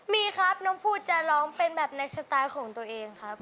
มีครับน้องพูดจะร้องเป็นแบบในสไตล์ของตัวเองครับ